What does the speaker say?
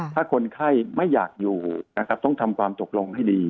ถ้าคนไข้ไม่อยากอยู่นะครับต้องทำความตกลงให้ดี